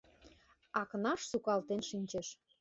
Акнаш сукалтен шинчеш.